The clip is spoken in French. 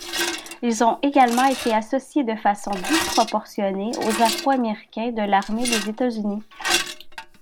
Ils ont également été associés de façon disproportionnée aux Afro-Américains de l'armée des États-Unis.